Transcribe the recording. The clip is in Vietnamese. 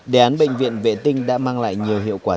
đề án bệnh viện vệ tinh đã mang lại nhiều hiệu quả